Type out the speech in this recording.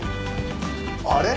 あれ？